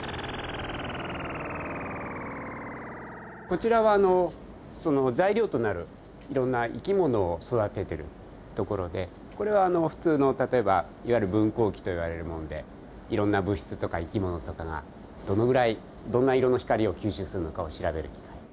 こちらは材料となるいろんな生き物を育ててる所でこれは普通の例えばいわゆる分光器といわれるものでいろんな物質とか生き物とかがどのぐらいどんな色の光を吸収するのかを調べる機械。